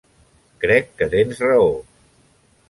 Crec que tens raó.